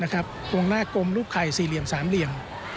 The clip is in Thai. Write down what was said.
ตรงหน้ากลมรูปไข่สี่เหลี่ยมสามเหลี่ยม